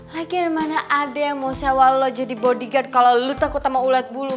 lagi ada mana ada yang mau sewa lo jadi bodyguard kalau lo takut sama ulet bulu